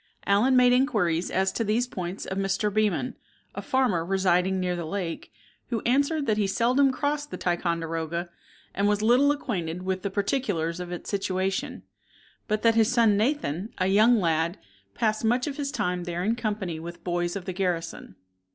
Allen made inquiries as to these points of Mr. Beman, a farmer residing near the lake, who answered that he seldom crossed the Ticonderoga, and was little acquainted with the particulars of its situation; but that his son, Nathan, a young lad, passed much of his time there in company with the boys of the garrison.